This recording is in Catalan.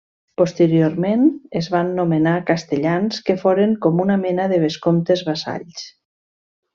Posteriorment es van nomenar castellans que foren com una mena de vescomtes vassalls.